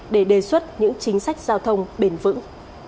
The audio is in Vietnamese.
để đề xuất những chính sách giao thông bền vững